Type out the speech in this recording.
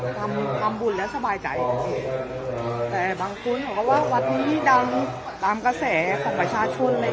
ทำบุญและสบายใจแต่บางคนก็ว่าวัดนี้ดังตามกระแสของประชาชน